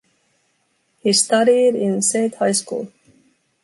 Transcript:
He studied in St high school.